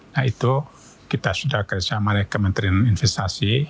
nah itu kita sudah kerjasama dengan kementerian investasi